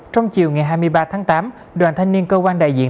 trong chiều ngày hai mươi ba tháng tám đoàn thanh niên cơ quan đại diện